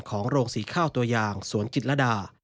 ของโรงสีข้าวตัวอย่างสวนกิจละดา